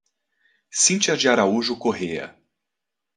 Cinthia de Araújo Correa